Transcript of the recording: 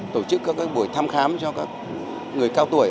tổ chức các buổi thăm khám cho các người cao tuổi